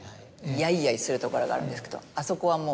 やいやいするところがあるんですけどあそこはもう。